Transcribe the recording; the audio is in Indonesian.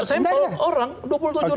itu sampel orang dua puluh tujuh ribu